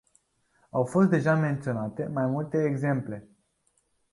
Au fost deja menționate mai multe exemple.